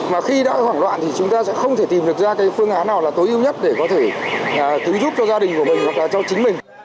mà khi đã hoảng loạn thì chúng ta sẽ không thể tìm được ra cái phương án nào là tối ưu nhất để có thể cứu giúp cho gia đình của mình hoặc là cho chính mình